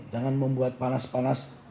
jangan membuat panas panas